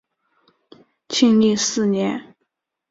庆历四年。